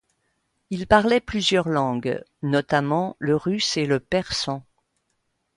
Il parlait plusieurs langues, notamment, le russe et le persan.